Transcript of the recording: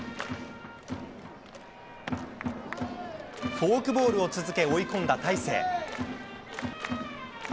フォークボールを続け追い込んだ大勢。